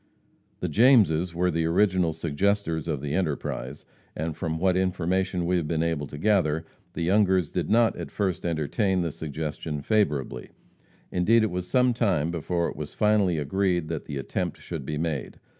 The Jameses were the original suggestors of the enterprise, and from what information we have been able to gather, the Youngers did not at first entertain the suggestion favorably; indeed, it was some time before it was finally agreed that the attempt should be made.